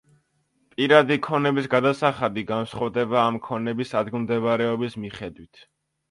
პირადი ქონების გადასახადი განსხვავდება ამ ქონების ადგილმდებარეობის მიხედვით.